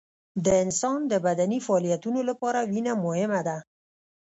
د انسان د بدني فعالیتونو لپاره وینه مهمه ده